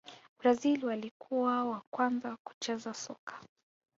brazil walikuwa wa kwanza kucheza soka